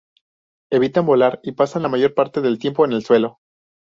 Evitan volar y pasan la mayor parte del tiempo en el suelo.